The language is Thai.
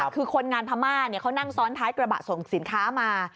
คือคนงานพม่าเขานั่งซ้อนท้ายกระบะส่งสินค้ามา